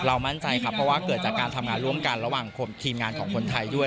มั่นใจครับเพราะว่าเกิดจากการทำงานร่วมกันระหว่างทีมงานของคนไทยด้วย